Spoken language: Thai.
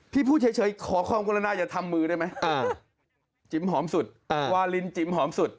พูดเฉยขอความกรุณาอย่าทำมือได้ไหมจิ๋มหอมสุดวาลินจิ๋มหอมสุด